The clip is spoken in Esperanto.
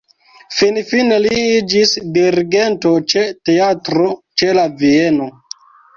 Finfine li iĝis dirigento ĉe Teatro ĉe la Vieno.